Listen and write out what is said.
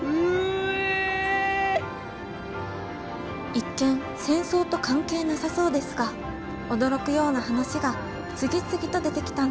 一見戦争と関係なさそうですが驚くような話が次々と出てきたんです。